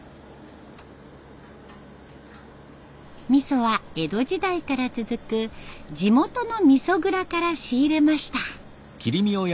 みそは江戸時代から続く地元のみそ蔵から仕入れました。